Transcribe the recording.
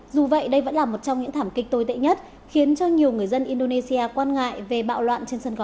dù vậy đây vẫn là một trong những thảm kịch tồi tệ nhất khiến cho nhiều người dân indonesia quan ngại về bạo loạn trên sân khấu